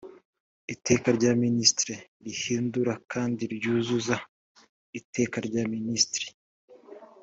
iteka rya minisitiri rihindura kandi ryuzuza iteka rya minisitiri